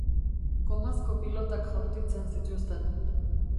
Gomazko pilotak jaurtitzen zituzten.